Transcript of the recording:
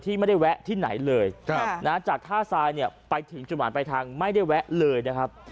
ไม่ได้แวะที่ไหนเลยจากท่าทรายเนี่ยไปถึงจุดหมายปลายทางไม่ได้แวะเลยนะครับ